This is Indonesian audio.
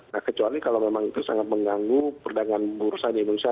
nah kecuali kalau memang itu sangat mengganggu perdagangan bursa di indonesia